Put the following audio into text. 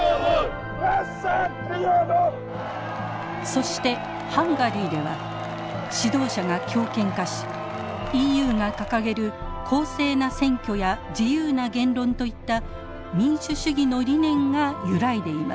そしてハンガリーでは指導者が強権化しＥＵが掲げる公正な選挙や自由な言論といった民主主義の理念が揺らいでいます。